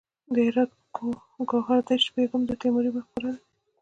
د هرات ګوهردش بیګم د تیموري مقبره ده